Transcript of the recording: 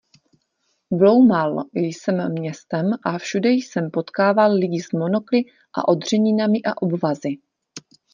Bloumal jsem městem a všude jsem potkával lidi s monokly a odřeninami a obvazy.